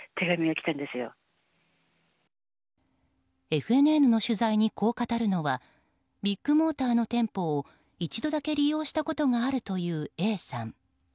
ＦＮＮの取材にこう語るのはビッグモーターの店舗を一度だけ利用したことがあるというＡさん。